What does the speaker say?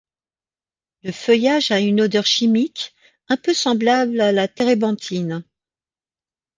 Le feuillage a une odeur chimique, un peu semblable à la térébenthine.